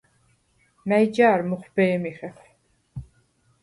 მა̈ჲ ჯა̄რ მუხვბე̄მი ხეხვ?